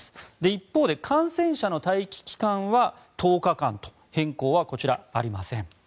一方で感染者の待機期間は１０日間と変更はこちらありません。